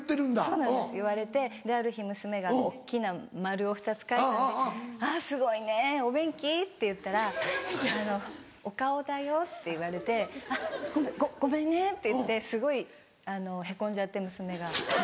そうなんです言われてある日娘が大っきな丸を２つ描いたんで「あっすごいねお便器？」って言ったら「お顔だよ」って言われて「あっごごめんね」って言ってすごいヘコんじゃって娘が。